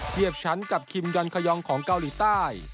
เทียบชั้นกับคิมยอนขยองของเกาหลีใต้